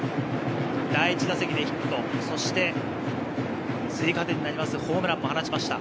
第１打席でヒット、追加点になりました、